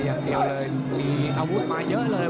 อย่างดแรงนี่เนี่ย